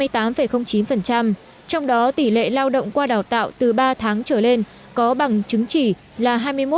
trong đó tỷ lệ lao động qua đào tạo từ ba tháng trở lên có bằng chứng chỉ là hai mươi một bảy mươi ba